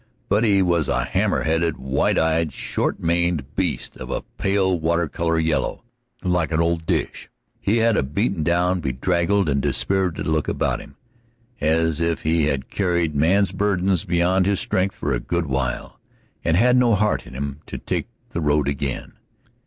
But he was a hammer headed, white eyed, short maned beast, of a pale water color yellow, like an old dish. He had a beaten down, bedraggled, and dispirited look about him, as if he had carried men's burdens beyond his strength for a good while, and had no heart in him to take the road again.